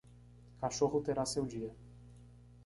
Cachorro terá seu dia